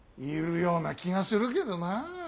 いるような気がするけどなあ。